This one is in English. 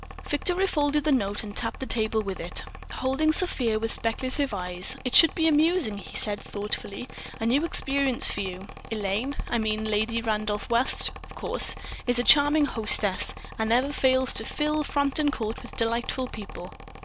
Victor refolded the note and tapped the table with it, holding Sofia with speculative eyes. "It should be amusing," he said, thoughtfully, "a new experience for you. Elaine—I mean Lady Randolph West, of course—is a charming hostess, and never fails to fill Frampton Court with delightful people."